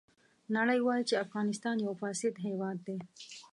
نړۍ وایي چې افغانستان یو فاسد هېواد دی.